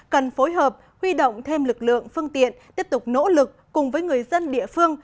cần phối hợp huy động thêm lực lượng phương tiện tiếp tục nỗ lực cùng với người dân địa phương